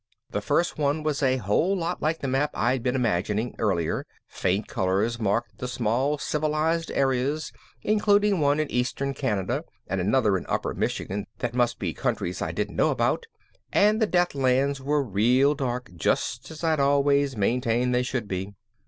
The first one was a whole lot like the map I'd been imagining earlier faint colors marked the small "civilized" areas including one in Eastern Canada and another in Upper Michigan that must be "countries" I didn't know about, and the Deathlands were real dark just as I'd always maintained they should be!